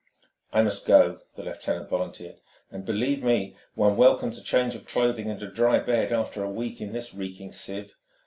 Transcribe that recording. "I must go," the lieutenant volunteered. "And believe me, one welcomes a change of clothing and a dry bed after a week in this reeking sieve.